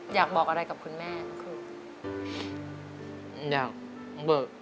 อยากบอกอะไรกับคุณแม่คือ